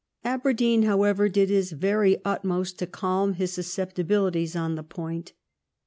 Aberdeen, however, did his very utmost to calm his susceptibilities on the point.